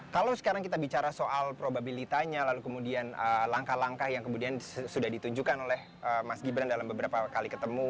kalau sekarang kita bicara soal probabilitanya lalu kemudian langkah langkah yang kemudian sudah ditunjukkan oleh mas gibran dalam beberapa kali ketemu